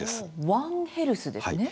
ワンヘルスですね？